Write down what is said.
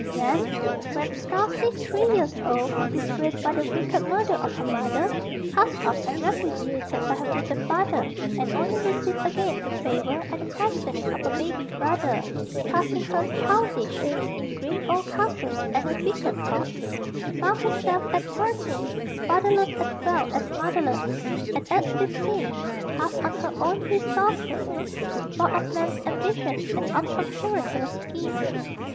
Then, when scarcely three years old, disgraced by the wicked murder of her mother, cast off and repudiated by her brutal father, and only received again to favor at the christening of her baby brother, passing her childish days in grim old castles and a wicked court, she found herself, at thirteen, fatherless as well as motherless, and at fifteen cast on her own resources, the sport of men's ambitions and of conspirators' schemes.